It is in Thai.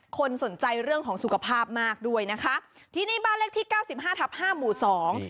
คนสนใจเรื่องของสุขภาพมากด้วยนะคะที่นี่บ้านเลขที่เก้าสิบห้าทับห้าหมู่สอง